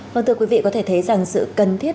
vâng thưa quý vị có thể thấy rằng sự cần thiết